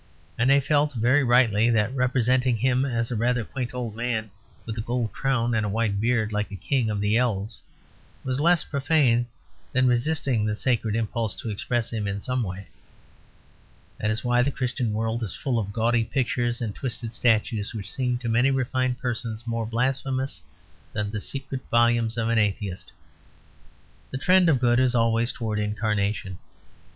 And they felt (very rightly) that representing Him as a rather quaint old man with a gold crown and a white beard, like a king of the elves, was less profane than resisting the sacred impulse to express Him in some way. That is why the Christian world is full of gaudy pictures and twisted statues which seem, to many refined persons, more blasphemous than the secret volumes of an atheist. The trend of good is always towards Incarnation.